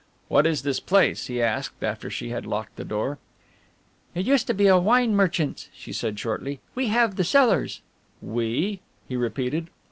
"What is this place?" he asked, after she had locked the door. "It used to be a wine merchant's," she said shortly, "we have the cellars." "We?" he repeated.